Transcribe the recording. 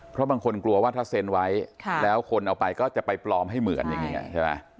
เพราะบางคนกลัวว่าถ้าเซ็นไว้แล้วคนเอาไปก็จะไปปลอมให้เหมือนอย่างนี้ใช่ไหม